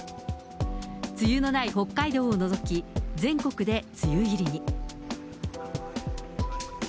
梅雨のない北海道を除き、全国で梅雨入りに。